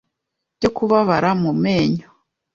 byo kubabara mu menyo